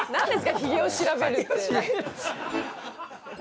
ヒゲを調べるって。